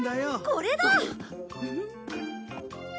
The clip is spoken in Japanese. これだ！